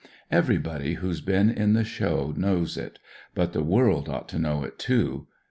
Everybody who*s been in the show knows it; but the world ought to know it, too.